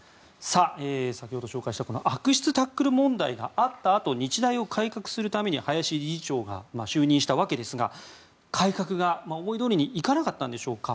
先ほど紹介した悪質タックル問題があったあと日大を改革するために林理事長が就任したわけですが改革が思いどおりにいかなかったんでしょうか。